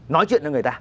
nói chuyện với người ta